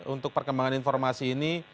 untuk perkembangan informasi ini